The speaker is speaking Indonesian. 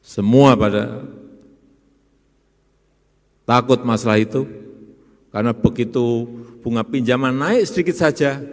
semua pada takut masalah itu karena begitu bunga pinjaman naik sedikit saja